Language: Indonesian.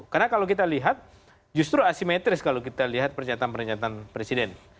karena kalau kita lihat justru asimetris kalau kita lihat pernyataan pernyataan presiden